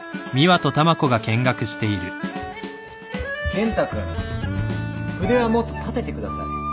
ケン太君筆はもっと立ててください。